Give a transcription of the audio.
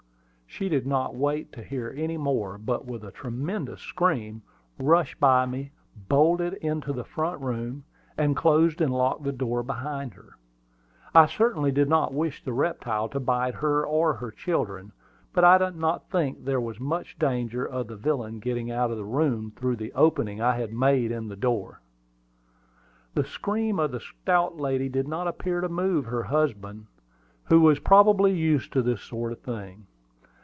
She did not wait to hear any more, but, with a tremendous scream, rushed by me, bolted into the front room, and closed and locked the door behind her. I certainly did not wish the reptile to bite her or her children; but I did not think there was much danger of the villain getting out of the room through the opening I had made in the door. The scream of the stout lady did not appear to move her husband, who was probably used to this sort of thing.